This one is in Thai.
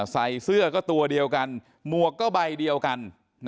ใส่เสื้อก็ตัวเดียวกันหมวกก็ใบเดียวกัน